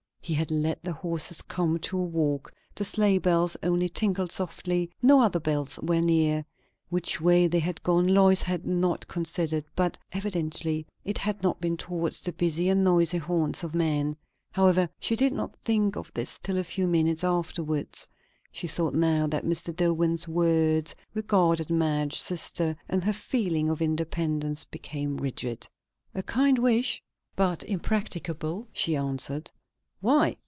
He had let the horses come to a walk; the sleigh bells only tinkled softly; no other bells were near. Which way they had gone Lois had not considered; but evidently it had not been towards the busy and noisy haunts of men. However, she did not think of this till a few minutes afterwards; she thought now that Mr. Dillwyn's words regarded Madge's sister, and her feeling of independence became rigid. "A kind wish, but impracticable," she answered. "Why?"